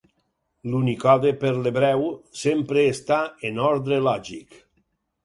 L'Unicode per l'hebreu sempre està en ordre lògic.